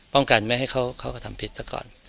ป้องกันไม่ให้เขากระทำผิดซะก่อน